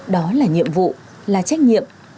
đó là nhiệm vụ là trách nhiệm